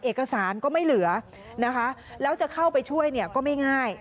เอกสารก็ไม่เหลือนะคะแล้วจะเข้าไปช่วยเนี่ยก็ไม่ง่าย